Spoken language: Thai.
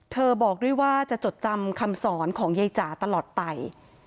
บอกด้วยว่าจะจดจำคำสอนของยายจ๋าตลอดไป